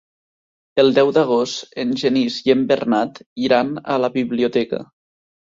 El deu d'agost en Genís i en Bernat iran a la biblioteca.